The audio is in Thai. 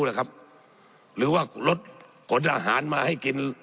หรือว่ารถโขนอาหารมาให้กิน